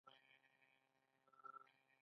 د ګروپ انډیکس طریقه هم کارول کیږي